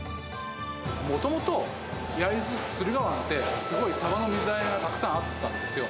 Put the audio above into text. もともと焼津、駿河湾ってすごいサバの水揚げがたくさんあったんですよ。